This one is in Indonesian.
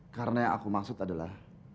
karena yang aku maksud adalah